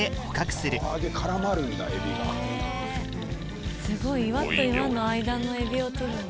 すごい岩と岩の間のえびを捕るんだ。